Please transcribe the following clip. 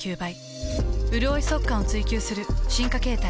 うるおい速乾を追求する進化形態。